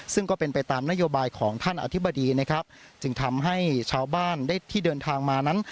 ซึ่งก็เป็นไปตามนโยบายของท่านอธิบดีนะครับจึงทำให้ชาวบ้านได้ที่เดินทางมานั้น